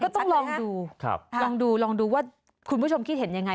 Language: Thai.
ต้องลองดูลองดูลองดูว่าคุณผู้ชมคิดเห็นยังไง